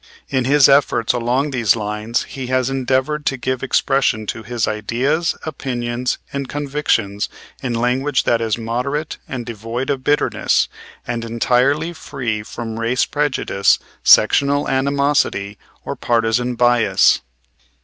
In his efforts along these lines he has endeavored to give expression to his ideas, opinions and convictions in language that is moderate and devoid of bitterness, and entirely free from race prejudice, sectional animosity, or partisan bias.